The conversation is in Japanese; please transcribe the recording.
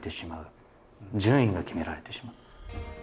順位が決められてしまう。